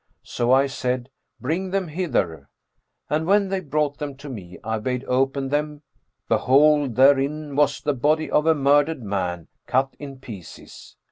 So I said, 'Bring them hither;' and when they brought them to me I bade open them, behold, therein was the body of a murdered man, cut in pieces.